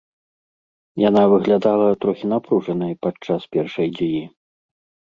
Яна выглядала трохі напружанай падчас першай дзеі.